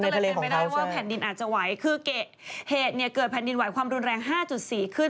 ก็เลยเป็นไปได้ว่าแผ่นดินอาจจะไหวคือเหตุเนี่ยเกิดแผ่นดินไหวความรุนแรง๕๔ขึ้น